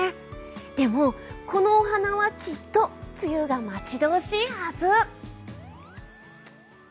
でも、このお花はきっと梅雨が待ち遠しいはず。